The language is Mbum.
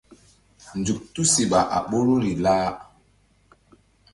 Nzuk tusiɓa a ɓoruri lah.